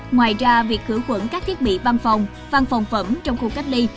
ngoài ra việc khử khuẩn các thiết bị văn phòng văn phòng phẩm trong khu cách ly